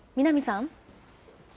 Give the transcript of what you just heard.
南さん。